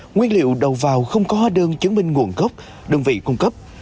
nguyên liệu đầu vào không có đơn chứng minh nguồn gốc đơn vị cung cấp